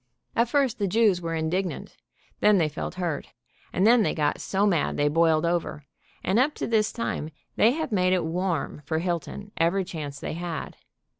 At first the Jews were indignant, then they felt hurt, and then they got so mad they boiled over, and up to this time they have made it warm for Hilton every chance they had.